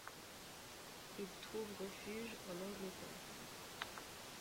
Il trouve refuge en Angleterre.